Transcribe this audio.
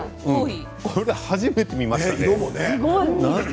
初めて見ましたね。